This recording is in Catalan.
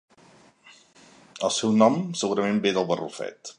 El seu nom segurament ve del barrufet.